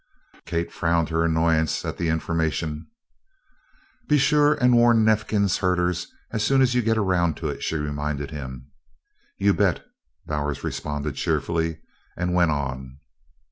"Tsch! tsch!" Kate frowned her annoyance at the information. "Be sure and warn Neifkins's herder as soon as you can get around to it," she reminded him. "You bet!" Bowers responded cheerfully, and went on.